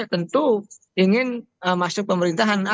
tentu ingin masuk pemerintahan